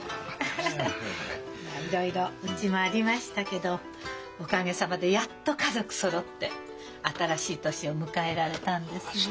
いろいろうちもありましたけどおかげさまでやっと家族そろって新しい年を迎えられたんですよ。